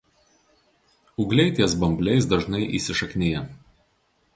Ūgliai ties bambliais dažnai įsišaknija.